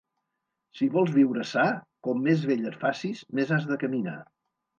Si vols viure sa, com més vell et facis, més has de caminar.